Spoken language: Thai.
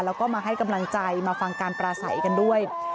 แล้วก็มาให้กำลังใจมาฟังการปราศัยกันด้วย